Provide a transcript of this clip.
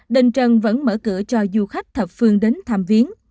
đình trần vẫn mở cửa cho du khách thập phương đến tham viến